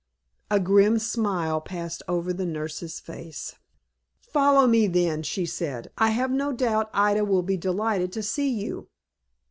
A grim smile passed over the nurse's face. "Follow me, then," she said. "I have no doubt Ida will be delighted to see you."